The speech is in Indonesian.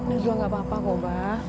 ini juga gak apa apa kok abah